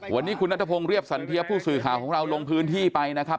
วันนี้คุณนัทพงศ์เรียบสันเทียผู้สื่อข่าวของเราลงพื้นที่ไปนะครับ